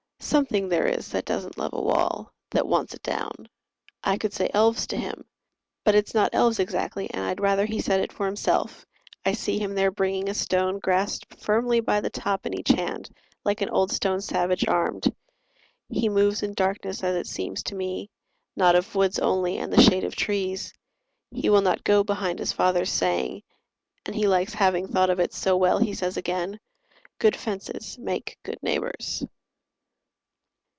Something there is that doesn't love a wall, That wants it down." I could say "Elves" to him, But it's not elves exactly, and I'd rather He said it for himself. I see him there Bringing a stone grasped firmly by the top In each hand, like an old stone savage armed. He moves in darkness as it seems to me, Not of woods only and the shade of trees. He will not go behind his father's saying, And he likes having thought of it so well He says again, "Good fences make good neighbours."